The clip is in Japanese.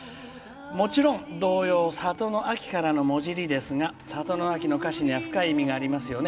もちろん童謡「里の秋」からのもじりですが「里の秋」の歌詞には深い意味がありますよね。